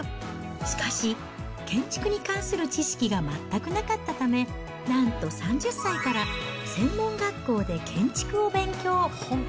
しかし、建築に関する知識が全くなかったため、なんと３０歳から専門学校で建築を勉強。